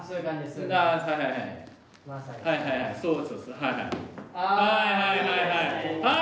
はいはいはいはい。